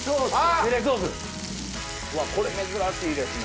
うわこれ珍しいですね。